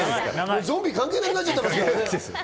ゾンビ関係なくなっちゃってます